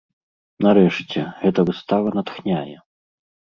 Нарэшце, гэта выстава натхняе.